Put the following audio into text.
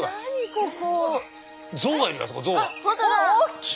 ここ。